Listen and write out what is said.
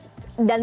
dan tidak berhasil